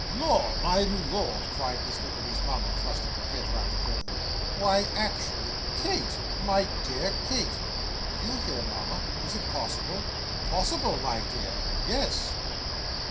'Lor, my lord!' cried Miss Nickleby's mama, thrusting her head round the curtain. 'Why actually Kate, my dear, Kate.' 'YOU here, mama! Is it possible!' 'Possible, my dear? Yes.